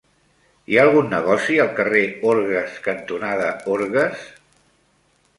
Hi ha algun negoci al carrer Orgues cantonada Orgues?